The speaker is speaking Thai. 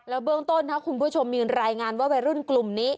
แล้วเบื้องต้นนะคุณผู้ชมมีรายงานว่าแบบรุ่นกลุ่มนี้